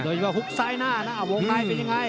โดยว่าหุบซ้ายหน้านะโวงไนท์เป็นยังไง